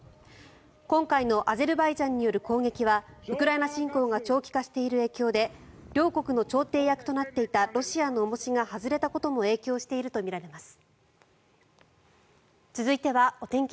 今回のアゼルバイジャンによる攻撃はウクライナ侵攻が長期化している影響で両国の調停役となっていたロシアの重しが外れたことも影響しているとみられます。